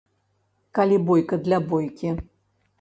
Калі бойка для бойкі.